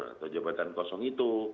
atau jabatan kosong itu